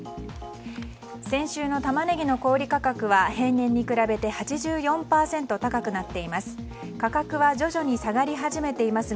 先週のタマネギの小売価格は平年に比べて８４％高くなっています。